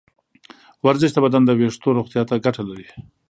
ورزش د بدن د ویښتو روغتیا ته ګټه لري.